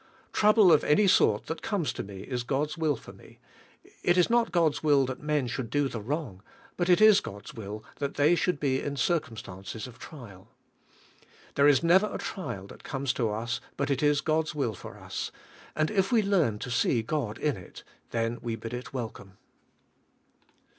Trouble of any sort that comes to me is God's will for me. It is not God's will that men should do the wrong, but it is God's will that they should be in circumstances of trial. There is never a trial that comes to us but it is God's will for us, and if we learn to see God in it, then we bid it welcome.